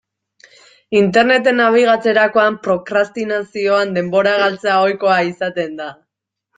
Interneten nabigatzerakoan, prokrastinazioan denbora galtzea ohikoa izaten da.